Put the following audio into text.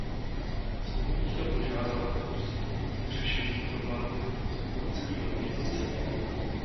Znovu bych chtěl požádat o pozitivní řešení problému polských loděnic.